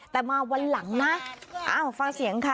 แต่มาวันหลังนะฟังเสียงค่ะ